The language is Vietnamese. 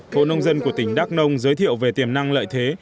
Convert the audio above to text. hộ nông dân của tỉnh đắk nông giới thiệu về tiềm năng lợi thế